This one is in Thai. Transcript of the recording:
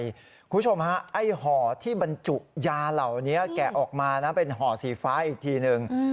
คุณผู้ชมฮะไอ้ห่อที่บรรจุยาเหล่านี้แกะออกมานะเป็นห่อสีฟ้าอีกทีนึง